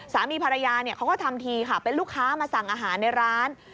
สามีภรรยาเขาก็ทำทีค่ะเป็นลูกค้ามาสั่งอาหารในร้าน